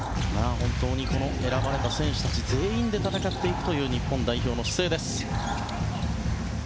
選ばれた選手たち全員で戦っていくという日本代表の姿勢です。